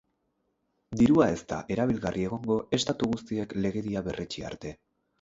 Dirua ez da erabilgarri egongo estatu guztiek legedia berretsi arte.